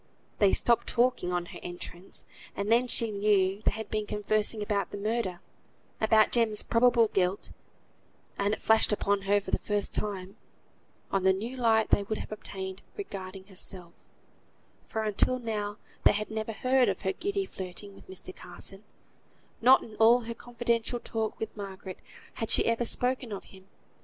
They stopped talking on her entrance, and then she knew they had been conversing about the murder; about Jem's probable guilt; and (it flashed upon her for the first time) on the new light they would have obtained regarding herself: for until now they had never heard of her giddy flirting with Mr. Carson; not in all her confidential talk with Margaret had she ever spoken of him.